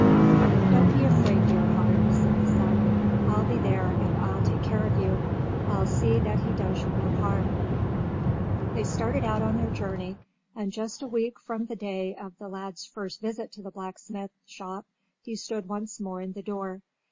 "Don't be afraid, dear heart," said the son. "I'll be there and I'll take care of you. I'll see that he does you no harm." They started out on their journey, and just a week from the day of the lad's first visit to the blacksmith shop he stood once more in the door.